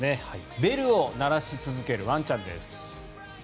ベルを鳴らし続けるワンちゃんです。